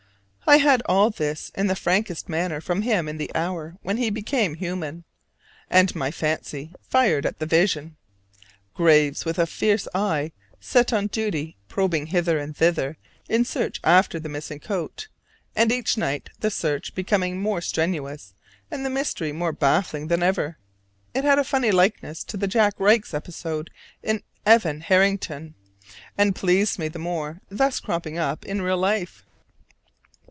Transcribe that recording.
I had all this in the frankest manner from him in the hour when he became human: and my fancy fired at the vision. Graves with a fierce eye set on duty probing hither and thither in search after the missing coat; and each night the search becoming more strenuous and the mystery more baffling than ever. It had a funny likeness to the Jack Raikes episode in "Evan Harrington," and pleased me the more thus cropping up in real life.